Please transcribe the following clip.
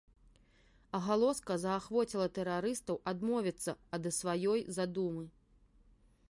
Агалоска заахвоціла тэрарыстаў адмовіцца ад сваёй задумы.